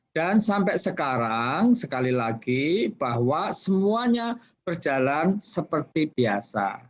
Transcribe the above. dan sampai sekarang sekali lagi bahwa semuanya berjalan seperti biasa